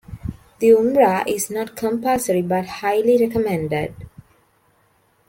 The Umrah is not compulsory but highly recommended.